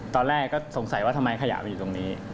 ตอนแรกก็สงสัยว่าทำไมขยะไปอยู่ตรงนี้